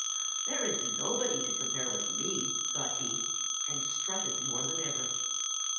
"'There is nobody to compare with me,' thought he, and strutted more than ever.